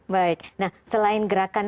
baik nah selain gerakan